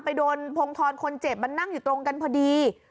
ไปโดนพงธรคนเจ็บมันนั่งอยู่ตรงกันพอดี